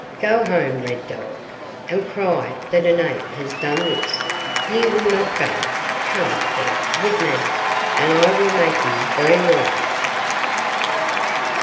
Go home, Red Dog, and cry that an ape has done this. Ye will not go? Come, then, with me, and I will make you very wise!"